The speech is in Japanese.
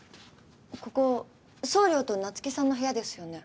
ここ総領と那月さんの部屋ですよね？